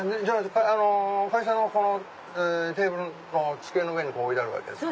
会社のテーブルの机の上に置いてあるわけですか。